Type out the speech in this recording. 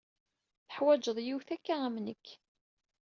Tuḥwaǧeḍ yiwet akka am nekk.